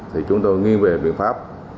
thì chúng tôi nghiêng về biện pháp